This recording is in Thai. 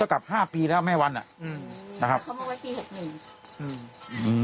กลับห้าปีแล้วแม่วันอ่ะอืมนะครับเขามาไว้ปีหกหนึ่งอืมอืม